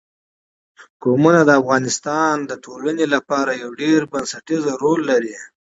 قومونه د افغانستان د ټولنې لپاره یو ډېر بنسټيز رول لري.